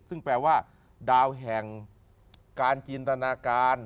ซึ่งแปลว่าดาวแห่งการจินตนาการ